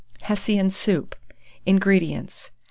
HESSIAN SOUP. 171. INGREDIENTS.